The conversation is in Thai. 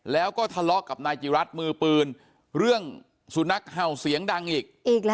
แล้วก็ทะเลาะกับนายจิรัตน์มือปืนเรื่องสุนัขเห่าเสียงดังอีก